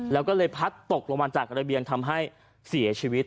แล้วก็เลยพัดตกลงมาจากระเบียงทำให้เสียชีวิต